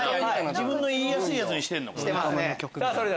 自分の言いやすいやつにしてんのかな。